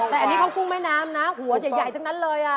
แต่อันนี้ข้าวกุ้งแม่น้ำนะหัวใหญ่ทั้งนั้นเลย